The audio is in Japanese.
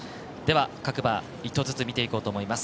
各馬１頭ずつ見ていこうと思います。